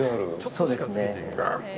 そうですね。